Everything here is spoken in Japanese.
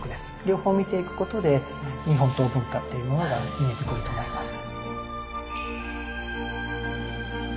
両方見ていくことで日本刀文化っていうものが見えてくると思います。